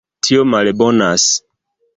Tio malbonas.